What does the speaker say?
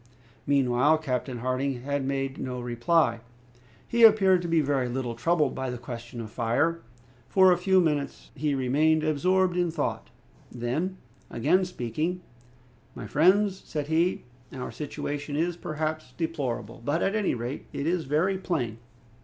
Meanwhile Captain Harding had made no reply. He appeared to be very little troubled by the question of fire. For a few minutes he remained absorbed in thought; then again speaking, "My friends," said he, "our situation is, perhaps, deplorable; but, at any rate, it is very plain.